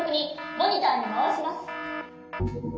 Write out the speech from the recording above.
モニターにまわします。